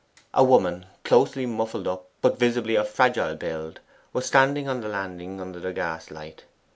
A woman, closely muffled up, but visibly of fragile build, was standing on the landing under the gaslight.